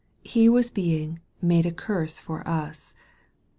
He was being " made a curse for us."